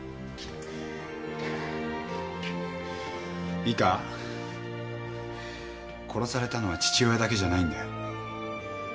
いいか殺されたのは父親だけじゃないんだよ。